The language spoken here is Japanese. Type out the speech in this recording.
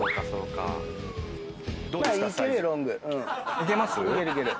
いけます？